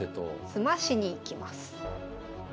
詰ましにいきます。